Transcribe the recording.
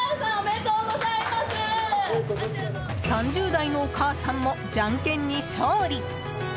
３０代のお母さんもじゃんけんに勝利！